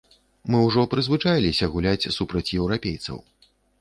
Мы ўжо прызвычаіліся гуляць супраць еўрапейцаў.